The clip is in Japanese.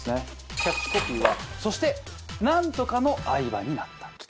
キャッチコピーは「そして、なんとかの愛馬になった。」